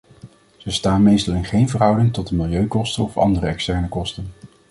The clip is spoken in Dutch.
Ze staan meestal in geen verhouding tot de milieukosten of andere externe kosten.